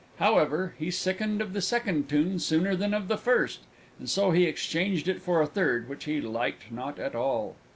However, he sickened of the second tune sooner than of the first, and so he exchanged it for a third, which he liked not at all.